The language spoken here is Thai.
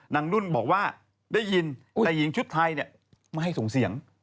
นุ่นบอกว่าได้ยินแต่หญิงชุดไทยไม่ให้ส่งเสียง